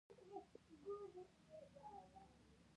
په افغانستان کې ځنګلي حاصلات د خلکو ژوند کیفیت اغېزمنوي.